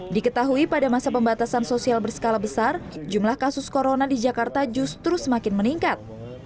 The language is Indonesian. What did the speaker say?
diketahui pada masa pembatasan sosial berskala besar jumlah kasus corona di jakarta justru semakin meningkat